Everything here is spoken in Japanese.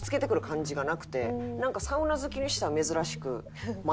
なんかサウナ好きにしては。